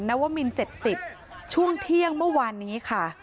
วมิน๗๐ช่วงเที่ยงเมื่อวานนี้ค่ะ